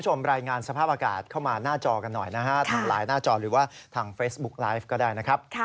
ใช่สภาพอากาศแย่มากแล้วคนอยู่บนเครื่องก็อกสั่น